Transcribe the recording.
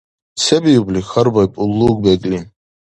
— Се биубли?! — хьарбаиб Уллубегли.